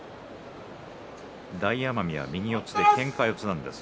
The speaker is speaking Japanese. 大奄美は右四つでけんか四つです。